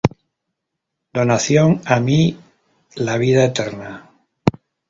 Donación a mí, la vida eterna.